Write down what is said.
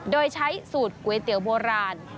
โดยใช้สูตรก๋วยเตี๋ยวโบราณ